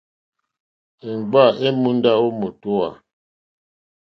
Èmgbâ èmùndá ó mǒtówà.